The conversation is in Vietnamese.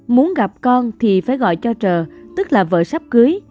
muốn gặp con thì phải gọi cho trờ tức là vợ sắp cưới